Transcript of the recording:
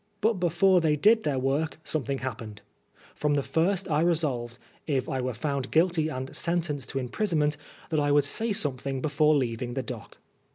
But before they did their work somethings happened. From the first I resolved, if I were found guilty and sentenced to imprisonment, that I would say something before leaving the dock.